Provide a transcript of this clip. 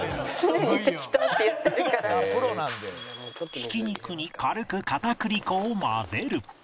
ひき肉に軽く片栗粉を混ぜる